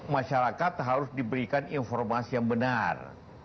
masyarakat harus diberikan informasi yang benar